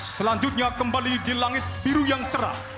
selanjutnya kembali di langit biru yang cerah